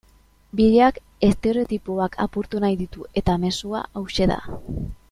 Bideoak estereotipoak apurtu nahi ditu eta mezua hauxe da.